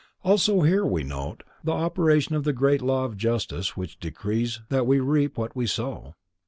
Also here we note the operation of the great law of justice which decrees that we reap what we sow.